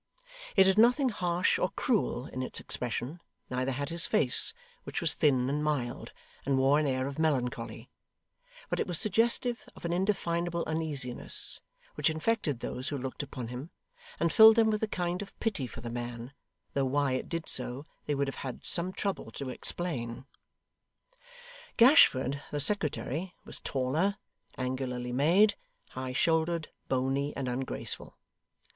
It had nothing harsh or cruel in its expression; neither had his face, which was thin and mild, and wore an air of melancholy; but it was suggestive of an indefinable uneasiness; which infected those who looked upon him, and filled them with a kind of pity for the man: though why it did so, they would have had some trouble to explain. Gashford, the secretary, was taller, angularly made, high shouldered, bony, and ungraceful.